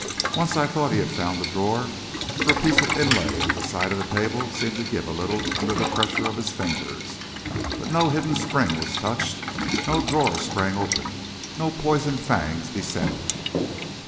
Once I thought he had found the drawer, for a piece of inlay at the side of the table seemed to give a little under the pressure of his fingers; but no hidden spring was touched; no drawer sprang open; no poisoned fangs descended.